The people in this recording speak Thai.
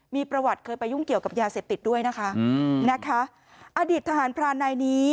มีประวัติเคยไปยุ่งเกี่ยวกับยาเสพติดด้วยนะคะอืมนะคะอดีตทหารพรานนายนี้